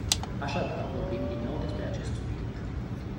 Așadar, vorbim din nou despre acest subiect.